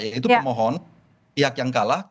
yaitu pemohon pihak yang kalah